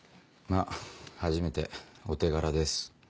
まぁ初めてお手柄です。